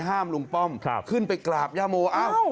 ห้ามลุงป้อมครับขึ้นไปกราบย่าโมอ้าว